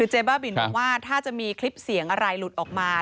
เจ๊บ้าบินบอกว่าถ้าจะมีคลิปเสียงอะไรหลุดออกมา